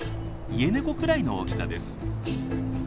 イエネコくらいの大きさです。